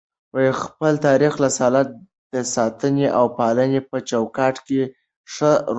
خپل تاریخي رسالت د ساتني او پالني په چوکاټ کي ښه روزلی دی